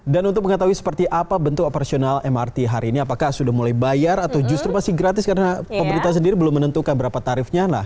dan untuk mengetahui seperti apa bentuk operasional mrt hari ini apakah sudah mulai bayar atau justru masih gratis karena pemerintah sendiri belum menentukan berapa tarifnya